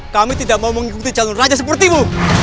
kami tidak mau mengikuti jalur raja sepertimu